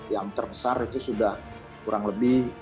yang terbesar itu sudah kurang lebih